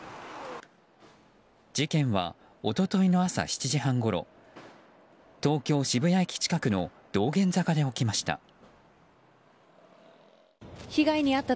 事件は一昨日の朝７時半ごろ東京・渋谷駅近くの道玄坂で起きました。